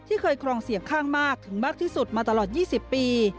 เคยครองเสียงข้างมากถึงมากที่สุดมาตลอด๒๐ปี